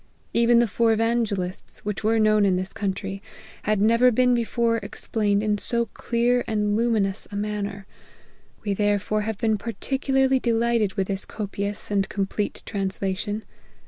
Even the four Evangelists, which were Imown in this country, had never been before explained in so clear and luminous a man ner. We therefore have been particularly delighted with this copious and complete translation.